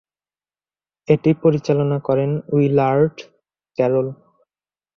এটি পরিচালনা করেন উইলার্ড ক্যারল।